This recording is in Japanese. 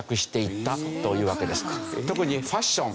特にファッション。